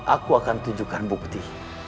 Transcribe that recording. aku akan tunjukkan bukti